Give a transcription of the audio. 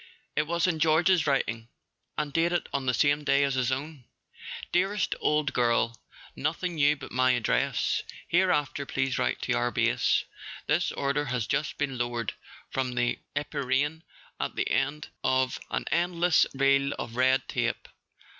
It was in George's writing, and dated on the same day as his own. "Dearest old girl, nothing new but my address. Hereafter please write to our Base. This order has just been lowered from the empyrean at the end of an end¬ less reel of red tape.